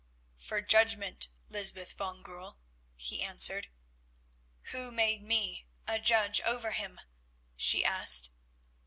"For judgment, Lysbeth van Goorl," he answered. "Who made me a judge over him?" she asked.